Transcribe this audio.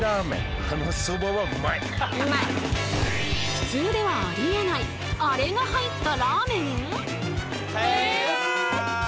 普通ではありえないアレが入ったラーメン！？